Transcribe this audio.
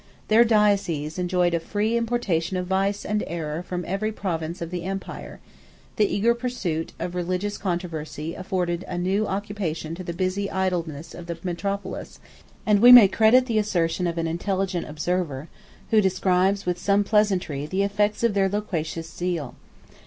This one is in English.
Their diocese enjoyed a free importation of vice and error from every province of the empire; the eager pursuit of religious controversy afforded a new occupation to the busy idleness of the metropolis; and we may credit the assertion of an intelligent observer, who describes, with some pleasantry, the effects of their loquacious zeal.